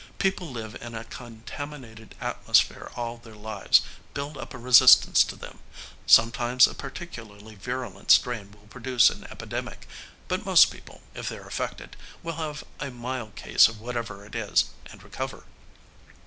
People live in a contaminated atmosphere all their lives, build up a resistance to them. Sometimes a particularly virulent strain will produce an epidemic, but most people, if they're affected, will have a mild case of whatever it is and recover.